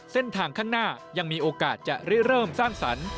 เส้นทางข้างหน้ายังมีโอกาสจะเริ่มสร้างสรรค์